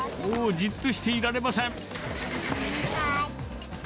じっとしていられません。